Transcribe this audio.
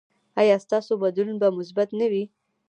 ایا ستاسو بدلون به مثبت نه وي؟